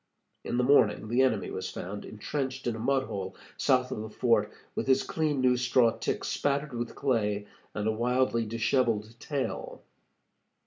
In the morning the enemy was found intrenched in a mud hole, south of the fort, with his clean new straw tick spattered with clay, and a wildly disheveled tail.